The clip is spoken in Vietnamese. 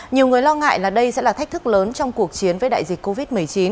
nhiều người lo ngại là đây sẽ là thách thức lớn trong cuộc chiến với đại dịch covid một mươi chín